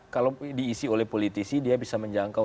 kalau diisi oleh politisi dia bisa menjangkau